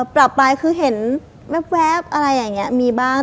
ปรับไปคือเห็นแว๊บอะไรอย่างนี้มีบ้าง